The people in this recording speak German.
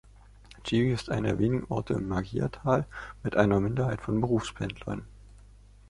Cevio ist einer der wenigen Orte im Maggiatal mit einer Minderheit von Berufspendlern.